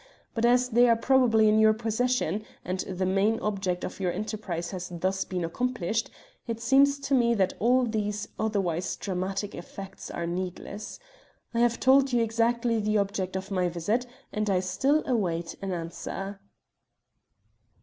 But as they are probably in your possession, and the main object of your enterprise has thus been accomplished, it seems to me that all these otherwise dramatic effects are needless. I have told you exactly the object of my visit, and I still await an answer."